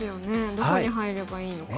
どこに入ればいいのか。